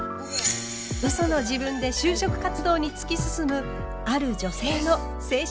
嘘の自分で就職活動に突き進むある女性の青春物語。